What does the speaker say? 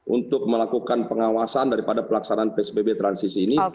untuk melakukan pengawasan daripada pelaksanaan psbb transisi ini